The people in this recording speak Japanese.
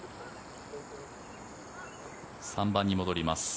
３番に戻ります。